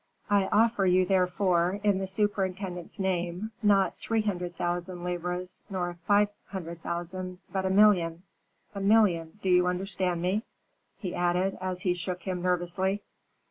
"I offer you, therefore, in the superintendent's name, not three hundred thousand livres, nor five hundred thousand, but a million. A million do you understand me?" he added, as he shook him nervously.